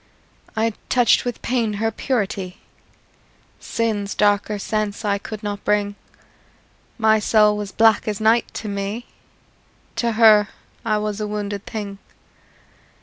I touched with pain her purity; Sin's darker sense I could not bring: My soul was black as night to me: To her I was a wounded thing.